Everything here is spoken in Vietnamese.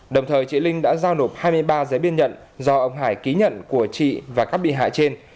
đồng thời chị linh đã giao nộp hai mươi ba giấy biên nhận do ông hải ký nhận của chị và các bị hại trên